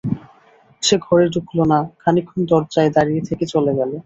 সে ঘরে ঢুকল না, খানিকক্ষণ দরজায় দাঁড়িয়ে থেকে চলে গেল।